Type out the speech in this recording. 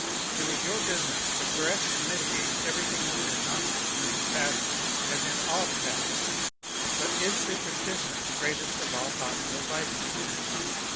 It was your business to correct and mitigate everything which was noxious in this passion, as in all the passions. But is superstition the greatest of all possible vices?